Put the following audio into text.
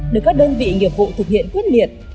được các đơn vị nghiệp vụ thực hiện quyết liệt